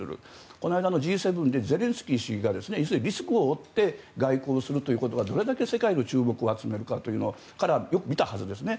この間のＧ７でゼレンスキー氏がリスクを負って外交するということがどれだけ世界の注目を集めるのかを彼はよく見たはずですね。